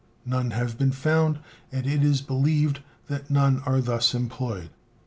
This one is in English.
None have been found, and it is believed that none are thus employed.